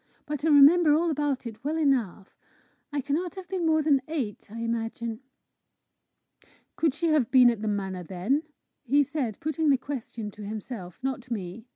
"But I remember all about it well enough. I cannot have been more than eight, I imagine." "Could she have been at the manor then?" he said, putting the question to himself, not me.